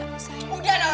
udah naura mbak gita saya